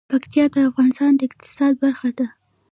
پکتیا د افغانستان د اقتصاد برخه ده.